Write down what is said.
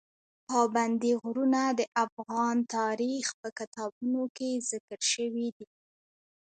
پابندي غرونه د افغان تاریخ په کتابونو کې ذکر شوي دي.